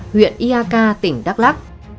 huyện ia ca tỉnh đắk lắc